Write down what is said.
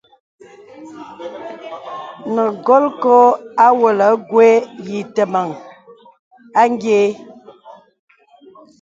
Nə̀ golkō awōlə̀ gwe yǐtə̄meŋ a nyēē.